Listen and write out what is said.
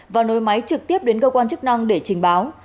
và nối máy trực tiếp đến cơ quan chức năng để trình báo